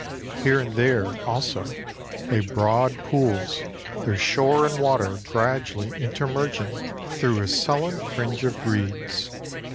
Here and there, also, lay broad pools, their shore and water gradually intermerging through a sullen fringe of reeds.